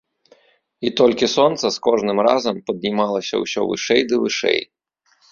І толькі сонца з кожным разам паднімалася ўсё вышэй ды вышэй.